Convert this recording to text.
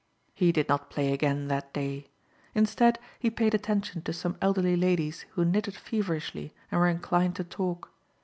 He did not play again that day. Instead he paid attention to some elderly ladies who knitted feverishly and were inclined to talk.